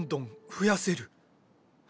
増やせる？